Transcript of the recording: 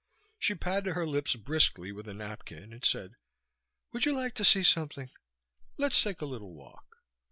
She patted her lips briskly with a napkin and said, "Would you like to see something? Let's take a little walk."